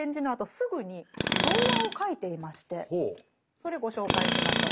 それご紹介しましょう。